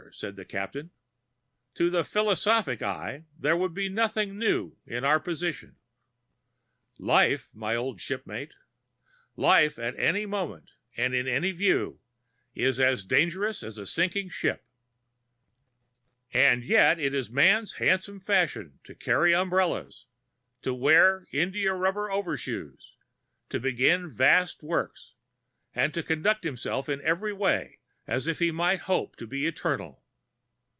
said the Captain. "To the philosophic eye, there would be nothing new in our position. Life, my old shipmate, life, at any moment and in any view, is as dangerous as a sinking ship; and yet it is man's handsome fashion to carry umbrellas, to wear indiarubber over shoes, to begin vast works, and to conduct himself in every way as if he might hope to be eternal.